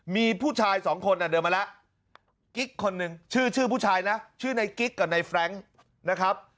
มีผู้ชายสองคนเดินมาแล้วกิ๊กคนหนึ่งชื่อชื่อผู้ชายนะชื่อในกิ๊กกับในแฟรงค์นะครับ